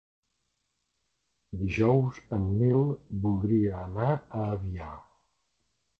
Dijous en Nil voldria anar a Avià.